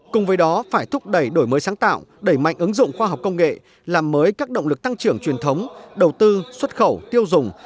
cùng với đó phải thúc đẩy đổi mới sáng tạo đẩy mạnh ứng dụng khoa học công nghệ làm mới các động lực tăng trưởng truyền thống đầu tư xuất khẩu tiêu dùng